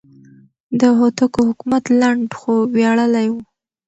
د هوتکو حکومت لنډ خو ویاړلی و.